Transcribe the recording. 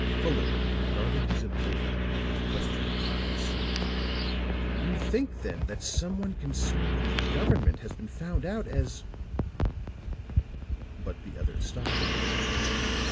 Fuller regarded his employer with questioning eyes. "You think, then, that some one concerned in the government has been found out as " But the other stopped him.